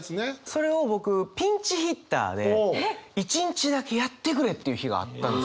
それを僕ピンチヒッターで一日だけやってくれっていう日があったんですよ。